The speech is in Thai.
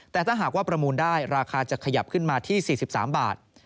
แต่ถ้าหากว่าประมูลได้ราคาจะขยับขึ้นมาที่๔๓บาท